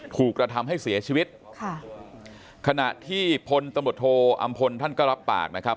ถูกกระทำให้เสียชีวิตค่ะขณะที่พลตำรวจโทอำพลท่านก็รับปากนะครับ